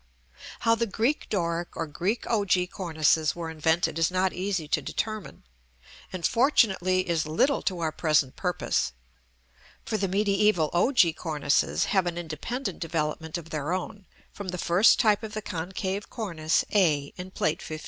How the Greek Doric or Greek ogee cornices were invented is not easy to determine, and, fortunately, is little to our present purpose; for the mediæval ogee cornices have an independent development of their own, from the first type of the concave cornice a in Plate XV.